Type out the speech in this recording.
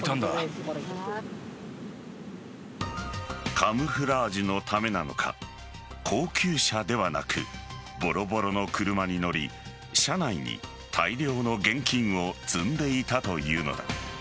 カムフラージュのためなのか高級車ではなくボロボロの車に乗り車内に大量の現金を積んでいたというのだ。